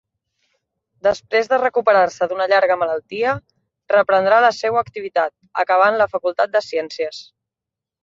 Després de recuperar-se d'una llarga malaltia, reprendrà la seua activitat, acabant la Facultat de Ciències.